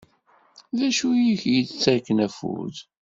Dacu i ak-yettakken afud?